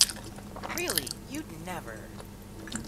Really! You’d never!